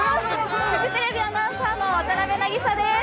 フジテレビアナウンサーの渡邊渚です。